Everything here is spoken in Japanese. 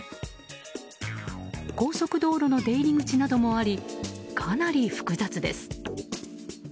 高速道路の出入り口などもありかなり複雑です。